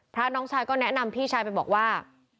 น้องชายก็แนะนำพี่ชายไปบอกว่า